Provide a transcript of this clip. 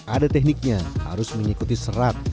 ada tekniknya harus mengikuti serat